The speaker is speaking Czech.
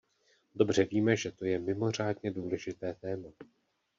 Dobře víme, že to je mimořádně důležité téma.